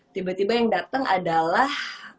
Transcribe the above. tiba tiba yang datang adalah